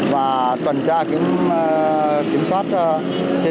và tuần tra kiểm soát